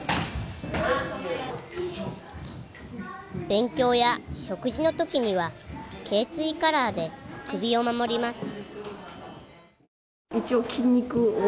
勉強や食事の時には頸椎カラーで首を守ります